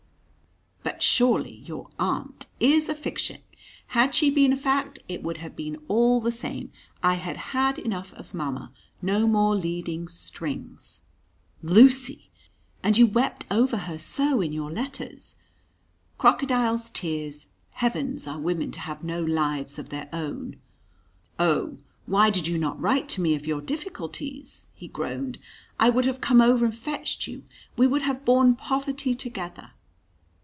"But surely your aunt " "Is a fiction. Had she been a fact it would have been all the same. I had had enough of mamma. No more leading strings!" "Lucy! And you wept over her so in your letters?" "Crocodile's tears. Heavens, are women to have no lives of their own?" "Oh, why did you not write to me of your difficulties?" he groaned. "I would have come over and fetched you we would have borne poverty together."